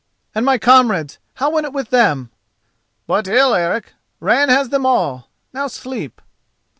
"And my comrades, how went it with them?" "But ill, Eric. Ran has them all. Now sleep!"